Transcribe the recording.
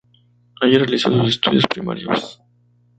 Allí realizó sus estudios primarios.